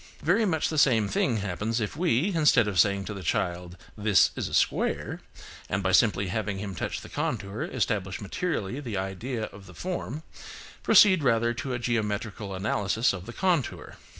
Very much the same thing happens if we, instead of saying to the child, "This is a square," and by simply having him touch the contour establish materially the idea of the form, proceed rather to a geometrical analysis of the contour.